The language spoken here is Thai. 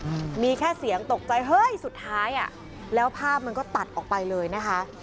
อืมมีแค่เสียงตกใจเฮ้ยสุดท้ายอ่ะแล้วภาพมันก็ตัดออกไปเลยนะคะ